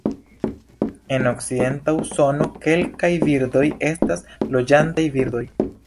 En okcidenta Usono, kelkaj birdoj estas loĝantaj birdoj.